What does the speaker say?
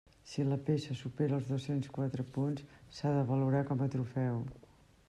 Si la peça supera els dos-cents quatre punts, s'ha de valorar com a trofeu.